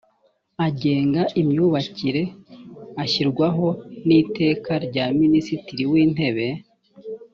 agenga imyubakire ashyirwaho n iteka rya minisitiri wintebe